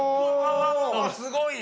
すごい！